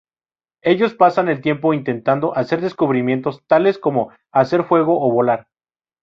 Ellos pasan el tiempo intentando hacer descubrimientos, tales como hacer fuego o volar.